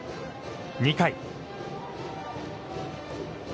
２回。